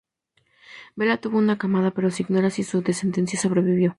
Vela tuvo una camada, pero se ignora si su descendencia sobrevivió.